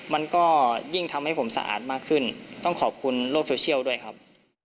มันก็ยิ่งทำให้ผมสะอาดมากขึ้นต้องขอบคุณโลกโซเชียลด้วยครับ